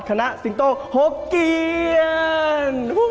คณะศิงตโตครบเกียน